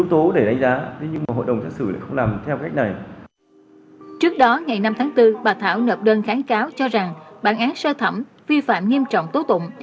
trước đó ngày năm tháng bốn bà thảo nộp đơn kháng cáo cho rằng bản án sơ thẩm vi phạm nghiêm trọng tố tụng